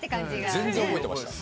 全然覚えてました。